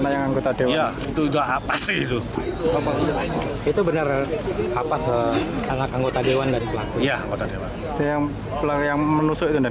yang menusuk itu